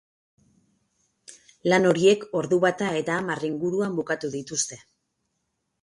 Lan horiek ordu bata eta hamar inguruan bukatu dituzte.